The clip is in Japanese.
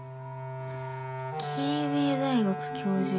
「慶明大学教授。